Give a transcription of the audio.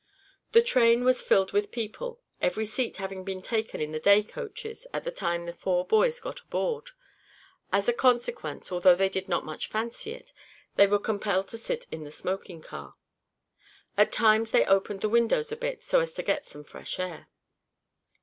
The train was filled with people, every seat having been taken in the day coaches at the time the four boys got aboard. As a consequence, although they did not much fancy it, they were compelled to sit in the smoking car. At times they opened the windows a bit, so as to get some fresh air.